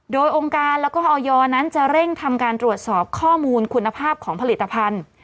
โดยองค์การแล้วก็ออยนั้นจะเร่งทำการตรวจสอบข้อมูลคุณภาพของผลิตภัณฑ์